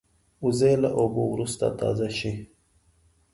وزې له اوبو وروسته تازه شي